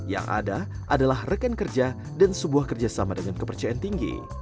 yang ada adalah rekan kerja dan sebuah kerjasama dengan kepercayaan tinggi